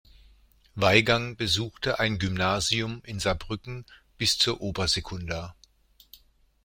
Weigang besuchte ein Gymnasium in Saarbrücken bis zur Obersekunda.